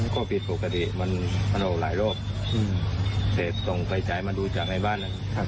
ก็ผิดปกติมันออกหลายรอบเสร็จตรงไฟจ่ายมาดูจากในบ้าน